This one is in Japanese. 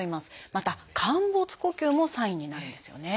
また陥没呼吸もサインになるんですよね。